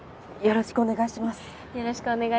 よろしくお願いします。